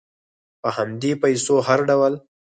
په همدې پیسو هر ډول